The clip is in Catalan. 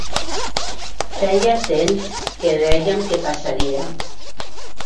Feia temps que dèiem que passaria.